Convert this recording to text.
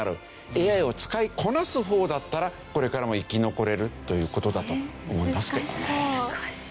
ＡＩを使いこなす方だったらこれからも生き残れるという事だと思いますけどね。